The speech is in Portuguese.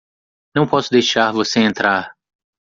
Não posso deixar você entrar